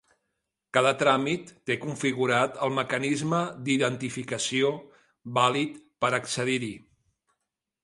Cada tràmit té configurat el mecanisme d'identificació vàlid per accedir-hi.